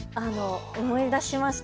思い出しました。